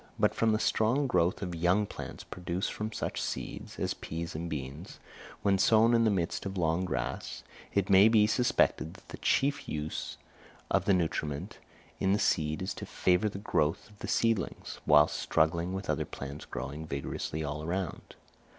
But from the strong growth of young plants produced from such seeds, as peas and beans, when sown in the midst of long grass, it may be suspected that the chief use of the nutriment in the seed is to favour the growth of the seedlings, whilst struggling with other plants growing vigorously all around.